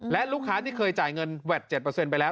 และลูกค้าที่เคยจ่ายเงินแวด๗ไปแล้ว